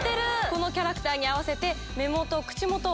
このキャラクターに合わせて。